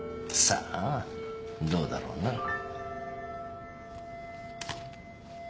さあどうだろうな。